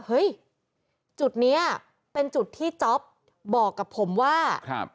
เฮ้ยจุดเนี้ยเป็นจุดที่จ๊อปบอกกับผมว่าครับ